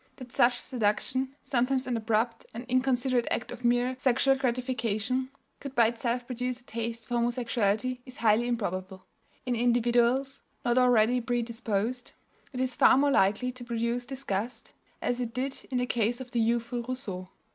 That such seduction sometimes an abrupt and inconsiderate act of mere sexual gratification could by itself produce a taste for homosexuality is highly improbable; in individuals not already predisposed it is far more likely to produce disgust, as it did in the case of the youthful Rousseau.